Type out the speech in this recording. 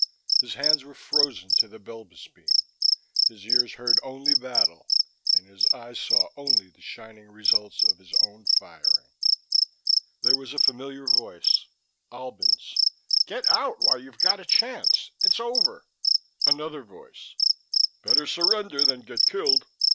His hands were frozen to the Belbis beam, his ears heard only battle and his eyes saw only the shining results of his own firing. There was a familiar voice Albin's: "... get out while you've got a chance it's over...." Another voice: "... better surrender than get killed...."